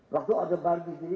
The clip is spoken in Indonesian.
waktu order baru di sini